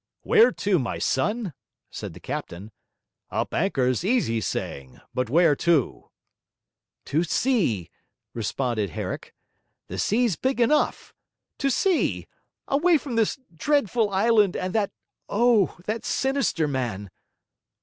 'Where to, my son?' said the captain. 'Up anchor's easy saying. But where to?' 'To sea,' responded Herrick. 'The sea's big enough! To sea away from this dreadful island and that, oh! that sinister man!'